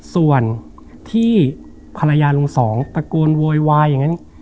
ส่วนที่ภรรยาลุงสองตะโกนโวยวายอย่างนั้น